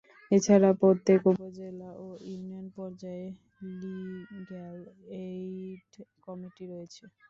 এছাড়া প্রত্যেক উপজেলা ও ইউনিয়ন পর্যায়ে লিগ্যাল এইড কমিটি রয়েছে।